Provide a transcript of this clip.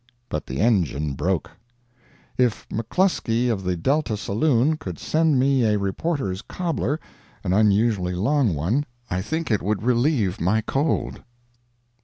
But the engine broke. If McCluskey, of the Delta Saloon, could send me a reporter's cobbler—an unusually long one—I think it would relieve my cold.